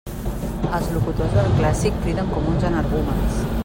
Els locutors del clàssic criden com uns energúmens.